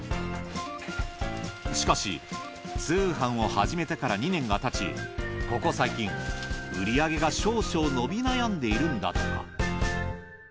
しかし通販を始めてから２年がたちここ最近売り上げが少々伸び悩んでいるんだとか。